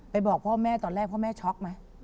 บอกพ่อแม่ตอนแรกพ่อแม่ช็อกไหม